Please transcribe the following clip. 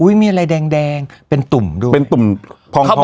อุ้ยมีอะไรแดงแดงเป็นตุ่มด้วยเป็นตุ่มพองพองขึ้นมา